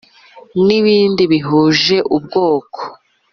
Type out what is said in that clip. ni bindi bihuje ubwoko